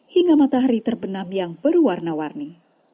hingga matahari terbenam yang berwarna warni